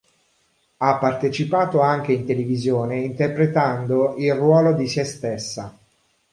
Ha partecipato anche in televisione interpretando il ruolo di se stessa.